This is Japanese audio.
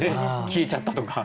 消えちゃったとか。